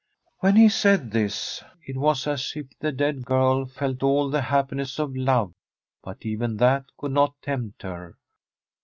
When he said this it was as if the dead girl felt all the happiness of love, but even that could not tempt her.